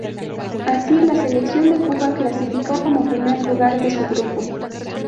Así, la selección de Cuba clasificó como primer lugar de su grupo.